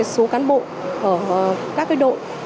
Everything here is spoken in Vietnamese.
số cán bộ ở các độ